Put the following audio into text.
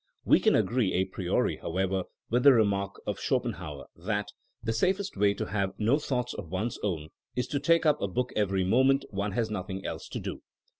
We can agree a priori, however, with the re mark of Schopenhauer that the safest way to have no thoughts of one's own is to take up a book every moment one has nothing else to do.